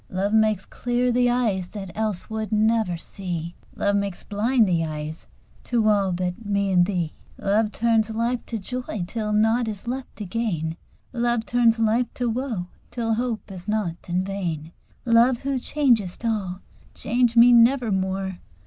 Love makes clear the eyes that else would never see: "Love makes blind the eyes to all but me and thee." Love turns life to joy till nought is left to gain: "Love turns life to woe till hope is nought and vain." Love, who changest all, change me nevermore!